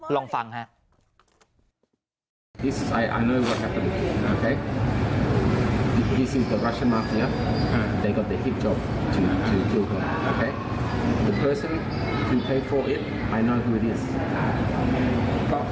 ลองฟังค่ะ